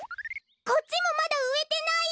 こっちもまだうえてないよ。